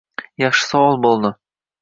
Yaxshi savol boʻldi.